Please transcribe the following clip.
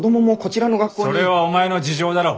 それはお前の事情だろう？